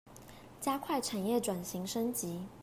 加快產業轉型升級